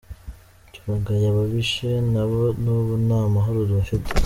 Turagaya ababishe, nabo n’ubu nta mahoro bafite.